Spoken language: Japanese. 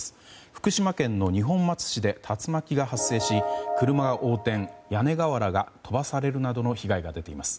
福島県の二本松市で竜巻が発生し車が横転屋根瓦が飛ばされるなどの被害が出ています。